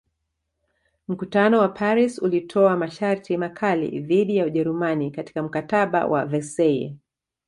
Mkutano wa Paris ulitoa masharti makali dhidi ya Ujerumani katika Mkataba wa Versaille